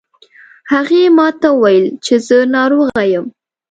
هغې ما ته وویل چې زه ناروغه یم